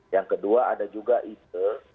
yang kedua ada juga ide